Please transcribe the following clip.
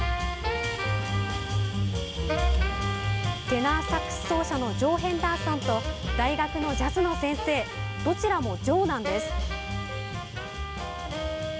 テナーサックス奏者のジョー・ヘンダーソンと大学のジャズの先生どちらもジョーなんです。